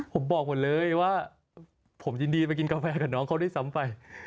ผมบอกหมดเลยว่าผมยินดีไปกินกาแฟกับน้องเขาด้วยซ้ำไป